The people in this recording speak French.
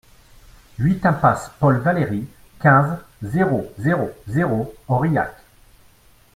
huit impasse Paul Valery, quinze, zéro zéro zéro, Aurillac